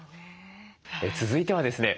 続いてはですね